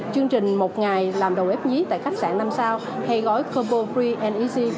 chương trình một ngày làm đầu ép nhí tại khách sạn năm sao hay gói combo free and easy